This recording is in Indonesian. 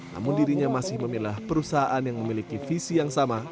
namun dirinya masih memilah perusahaan yang memiliki visi yang sama